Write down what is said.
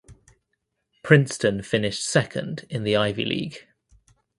Princeton finished second in the Ivy League.